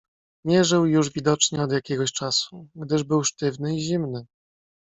"Nie żył już widocznie od jakiegoś czasu, gdyż był sztywny i zimny."